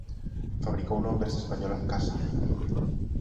Fabricouno a empresa española Casa.